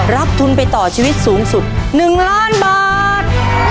รับทุนไปต่อชีวิตสูงสุด๑ล้านบาท